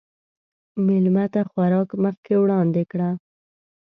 مېلمه ته خوراک مخکې وړاندې کړه.